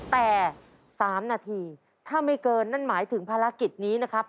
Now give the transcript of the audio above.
แต่๓นาทีถ้าไม่เกินนั่นหมายถึงภารกิจนี้นะครับ